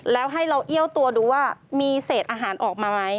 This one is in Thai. แล้วให้เราเอี้ยวตัวดูว่ามีเศษอาหารออกมาไหม